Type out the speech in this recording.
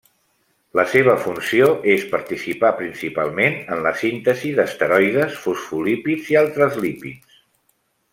La seva funció és participar principalment en la síntesi d'esteroides, fosfolípids i altres lípids.